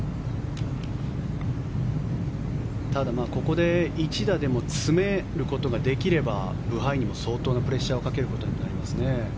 ただ、ここで１打でも詰めることができればブハイにも相当なプレッシャーをかけることになります。